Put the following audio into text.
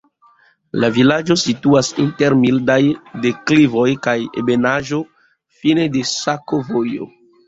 La vilaĝo situas inter mildaj deklivoj kaj ebenaĵo, fine de sakovojo.